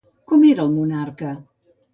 Com era el monarca?